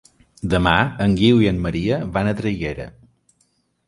Demà en Guiu i en Maria van a Traiguera.